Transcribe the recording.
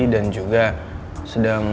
dan juga sedang